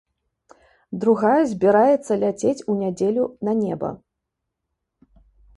Другая збіраецца ляцець у нядзелю на неба.